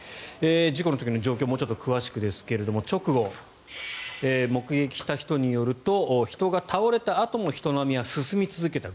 事故の時の状況をもうちょっと詳しくですが直後に目撃した人によると人が倒れたあとも人が進み続けた。